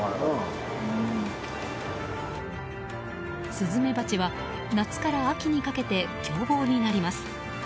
スズメバチは夏から秋にかけて凶暴になります。